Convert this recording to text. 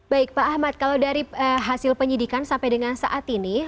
baik pak ahmad kalau dari hasil penyidikan sampai dengan saat ini